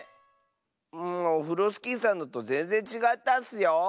オフロスキーさんのとぜんぜんちがったッスよ！